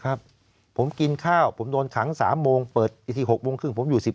ครับผมกินข้าวผมโดนขัง๓โมงเปิดอีกที๖โมงครึ่งผมอยู่สิบ